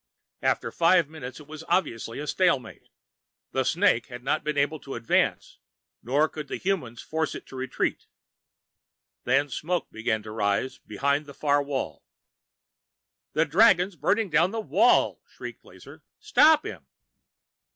After five minutes, it was obviously a stalemate. The snake had not been able to advance, nor could the humans force it to retreat. Then smoke began to rise behind the far wall. "The dragon's burning down the wall!" shrieked Lazar. "Stop him!"